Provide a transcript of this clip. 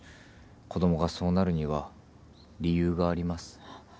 子供がそうなるには理由があります。